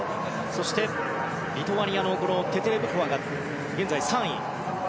そして、リトアニアのテテレブコワが現在３位。